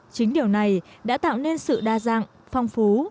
chính điều này đã tạo nên sự đa dạng phong phú